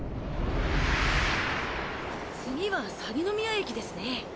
次はさぎの宮駅ですね。